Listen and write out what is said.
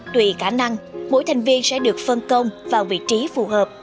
tùy khả năng mỗi thành viên sẽ được phân công vào vị trí phù hợp